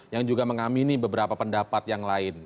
yang juga mengamini beberapa pendapat yang lain